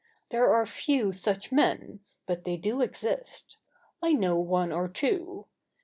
There are few such men; but they do exist. I know one or two.